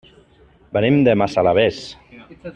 Venim de Massalavés.